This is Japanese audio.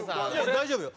大丈夫よ。